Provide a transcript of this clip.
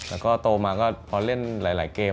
แล้วก็โตมาก็พอเล่นหลายเกม